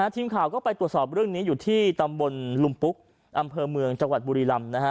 ทีมข่าวก็ไปตรวจสอบเรื่องนี้อยู่ที่ตำบลลุมปุ๊กอำเภอเมืองจังหวัดบุรีรำ